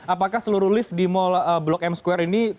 apakah seluruh lift di mall blok m square ini